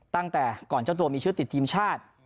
ตั้งแต่ก่อนเจ้าตัวมีชื่อติดทีมชาติ